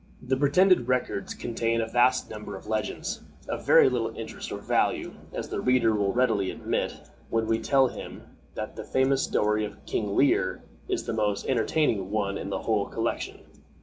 The pretended records contain a vast number of legends, of very little interest or value, as the reader will readily admit when we tell him that the famous story of King Lear is the most entertaining one in the whole collection.